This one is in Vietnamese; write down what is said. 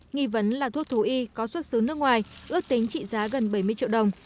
nghi vấn là thuốc thú y có xuất xứ nước ngoài ước tính trị giá gần bảy mươi triệu đồng